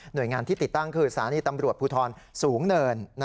โดยงานที่ติดตั้งคือสถานีตำรวจภูทรสูงเนิน